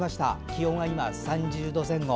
気温は今３０度前後。